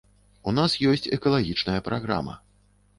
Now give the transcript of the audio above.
У нас ёсць экалагічная праграма.